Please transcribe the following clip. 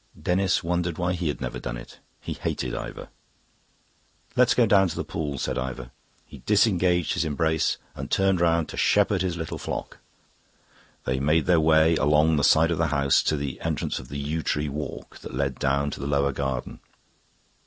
Denis wondered why he had never done it. He hated Ivor. "Let's go down to the pool," said Ivor. He disengaged his embrace and turned round to shepherd his little flock. They made their way along the side of the house to the entrance of the yew tree walk that led down to the lower garden.